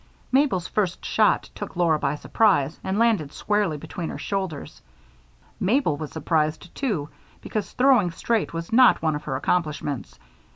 Mabel's first shot took Laura by surprise and landed squarely between her shoulders. Mabel was surprised, too, because throwing straight was not one of her accomplishments.